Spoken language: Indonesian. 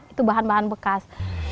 itu bahan bahan bekas